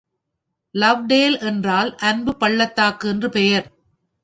Lovedale என்றால் அன்புப் பள்ளத்தாக்கு என்று பெயர்.